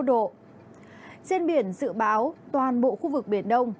trên biển dự báo toàn bộ khu vực biển đông